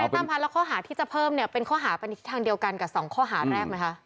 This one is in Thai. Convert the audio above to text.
ตามพันธ์แล้วข้อหาที่จะเพิ่มเนี่ยเป็นข้อหาไปทางเดียวกันกับ๒ข้อหาแรกไหมคะ